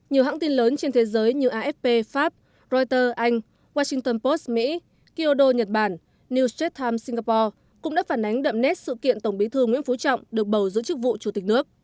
nhiều hãng tin lớn trên thế giới như afp pháp reuters anh washington post mỹ kyodo nhật bản new stress times singapore cũng đã phản ánh đậm nét sự kiện tổng bí thư nguyễn phú trọng được bầu giữ chức vụ chủ tịch nước